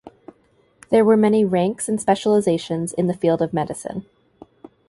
There were many ranks and specializations in the field of medicine.